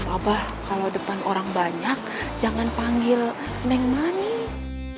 bapak kalau depan orang banyak jangan panggil nenek manis